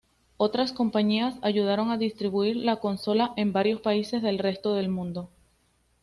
Otras compañías ayudaron a distribuir la consola en varios países del resto del mundo.